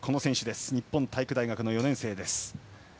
日本体育大学の４年生。